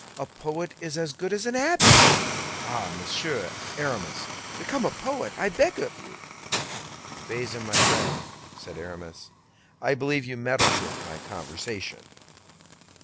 A poet is as good as an abbé. Ah! Monsieur Aramis, become a poet, I beg of you." "Bazin, my friend," said Aramis, "I believe you meddle with my conversation."